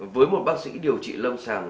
với một bác sĩ điều trị lông sàng